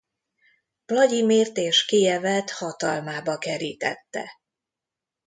Vlagyimirt és Kijevet hatalmába kerítette.